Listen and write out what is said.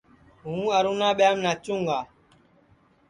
ہوں ارونا ٻیاںٚم ناچُوں گا